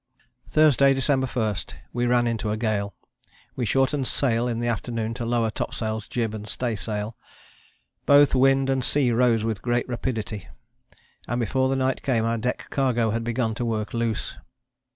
Thursday, December 1, we ran into a gale. We shortened sail in the afternoon to lower topsails, jib and stay sail. Both wind and sea rose with great rapidity, and before the night came our deck cargo had begun to work loose.